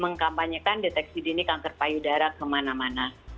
mengkampanyekan deteksi dini kanker payudara kemana mana